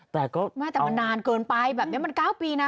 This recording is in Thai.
แต่ก็ไม่แต่มันนานเกินไปแบบนี้มัน๙ปีนะ